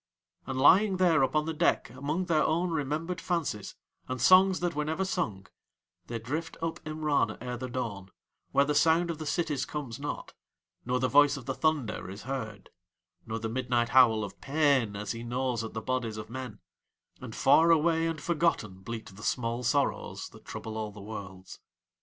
And, lying there upon the deck among their own remembered fancies, and songs that were never sung, and they drift up Imrana ere the dawn, where the sound of the cities comes not, nor the voice of the thunder is heard, nor the midnight howl of Pain as he gnaws at the bodies of men, and far away and forgotten bleat the small sorrows that trouble all the Worlds.